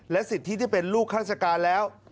สิทธิที่เป็นลูกฆาติการแล้ว